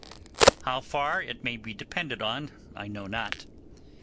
How far it may be depended on I know not.